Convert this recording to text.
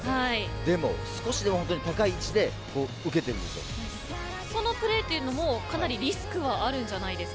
でも少しでも本当に高い位置でそのプレーというのもかなりリスクはあるんじゃないですか。